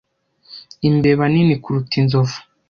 Imbeba nini kuruta inzovu